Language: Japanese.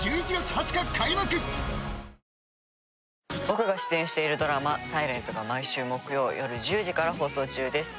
僕が出演しているドラマ『ｓｉｌｅｎｔ』が毎週木曜夜１０時から放送中です。